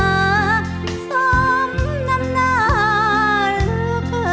ดูเขาเล็ดดมชมเล่นด้วยใจเปิดเลิศ